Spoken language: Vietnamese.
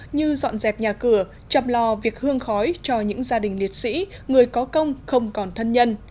như dọn dẹp nhà cửa chăm lo việc hương khói cho những gia đình liệt sĩ người có công không còn thân nhân